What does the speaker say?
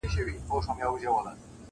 • چي د هرات غم ځپلو اوسېدونکو ته -